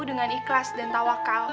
dengan ikhlas dan tawakal